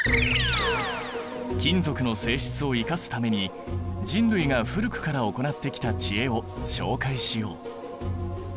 金属の性質を生かすために人類が古くから行ってきた知恵を紹介しよう。